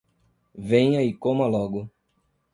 Venha e coma logo